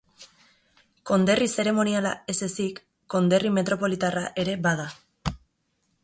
Konderri zeremoniala ez ezik, konderri metropolitarra ere bada.